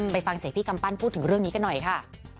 ไปฟังเสียงพี่กำปั้นพูดถึงเรื่องนี้กันหน่อยค่ะ